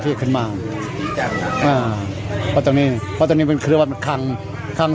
บางอ่าเพราะตรงนี้น่ะเพราะตรงนี้เป็นภาพภังคาง